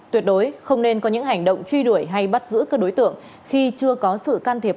tuyệt đối không nên có những hành động truy đuổi hay bắt giữ các đối tượng khi chưa có sự can thiệp